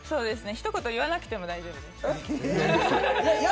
ひと言、言わなくても大丈夫です。